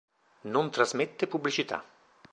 Non trasmette pubblicità.